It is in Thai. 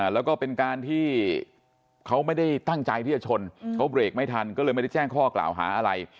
แล้วก็เป็นการที่เขาไม่ได้ตั้งใจที่จะชนเขาเบรกไม่ทันก็เลยไม่ได้แจ้งข้อกล่าวหาอะไร